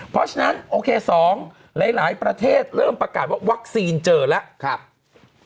เพราะฉะนั้นโอเค๒หลายประเทศเริ่มประกาศว่าวัคซีนเจอแล้ว